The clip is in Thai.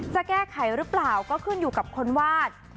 จะแก้ไขหรือเปล่าก็ขึ้นอยู่กับคนวาด